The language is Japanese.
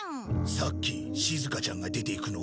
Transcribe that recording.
さっきしずかちゃんが出ていくのを見たぞ。